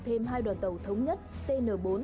thêm hai đoàn tàu thống nhất tn bốn